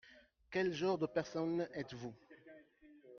Quel genre de personne êtes-vous ?